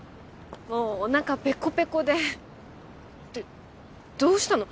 もうおなかペコペコでってどうしたの？